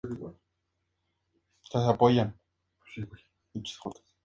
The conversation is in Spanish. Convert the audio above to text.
Jacinto es llevado al penal de San Lucas donde es condenado de por vida.